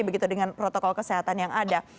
begitu dengan protokol kesehatan yang ada